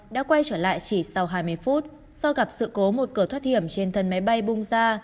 đã quay trở lại chỉ sau hai mươi phút do gặp sự cố một cửa thoát hiểm trên thân máy bay bung ra